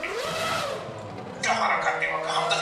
ایا په کورني ژوند کي تر ټولو لوی شر بېلتون دی؟